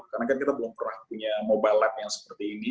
karena kan kita belum pernah punya mobile lab yang seperti ini